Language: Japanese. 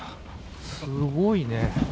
すごいね。